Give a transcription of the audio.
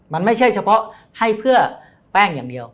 มันไม่ใช่เฉพาะให้เพื่อแป้งอย่างเดียว